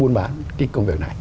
buôn bán cái công việc này